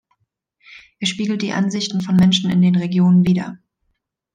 Er spiegelt die Ansichten von Menschen in den Regionen wider.